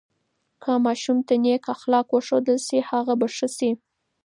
که ماشوم ته نیک اخلاق وښودل سي، هغه به ښه سي.